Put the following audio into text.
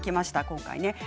今回ね。